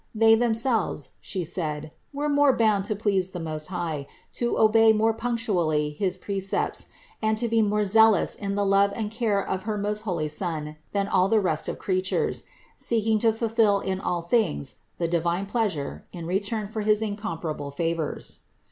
They themselves, She said, were more bound to please the Most High, to obey more punctually his precepts, and to be more zealous in the love and care of his most holy Son than all the rest of creatures, seeking to fufill in all things the divine pleasure in return for his incomparable favors.